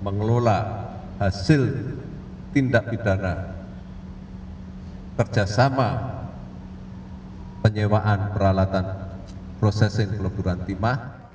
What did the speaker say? mengelola hasil tindak pidana kerjasama penyewaan peralatan processing kelemburan timah